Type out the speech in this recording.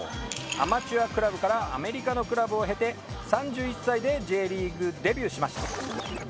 アマチュアクラブからアメリカのクラブを経て３１歳でＪリーグデビューしました。